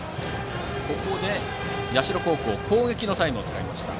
ここで社高校攻撃のタイムを使いました。